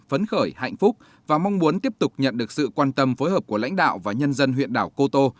phấn khởi hạnh phúc và mong muốn tiếp tục nhận được sự quan tâm phối hợp của lãnh đạo và nhân dân huyện đảo cô tô